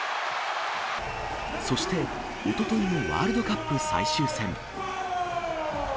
そしておとといのワールドカップ最終戦。